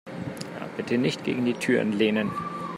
Bitte nicht gegen die Türen lehnen.